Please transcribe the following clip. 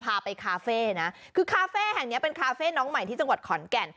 พาไปคาเฟ่นะคือคาเฟ่แห่งนี้เป็นคาเฟ่น้องใหม่ที่จังหวัดขอนแก่น